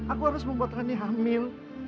aku harus membuat kami hamil